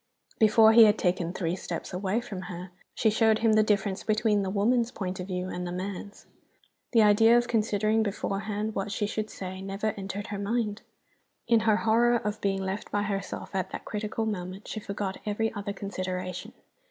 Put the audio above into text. Before he had taken three steps away from her she showed him the difference between the woman's point of view and the man's. The idea of considering beforehand what she should say never entered her mind. In her horror of being left by herself at that critical moment, she forgot every other consideration.